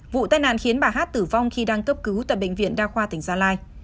vụ tai nạn khiến bà hát tử vong khi đang cấp cứu tại bệnh viện đa khoa tỉnh gia lai